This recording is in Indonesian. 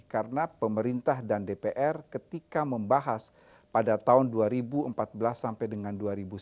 karena pemerintah dan dpr ketika membahas pada tahun dua ribu empat belas sampai dengan dua ribu sembilan belas